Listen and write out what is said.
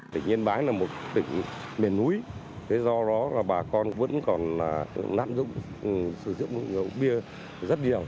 định yên bái là một tỉnh miền núi do đó bà con vẫn còn nắm dụng sử dụng rượu bia rất nhiều